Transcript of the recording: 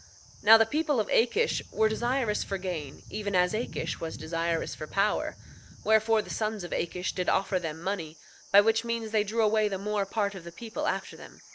9:11 Now the people of Akish were desirous for gain, even as Akish was desirous for power; wherefore, the sons of Akish did offer them money, by which means they drew away the more part of the people after them.